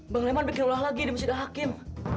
bang leman bikin ulah lagi di masjid al hakim